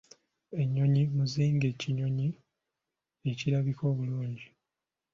Ennyonyi muzinge kinyonyi ekirabika obulungi.